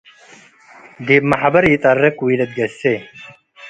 ዲብ መሕበር ኢጠርቅ ወኢልትገሴ ።